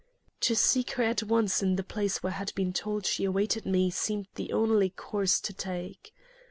To seek her at once in the place where I had been told she awaited me seemed the only course to take.